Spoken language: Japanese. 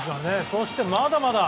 そして、まだまだ。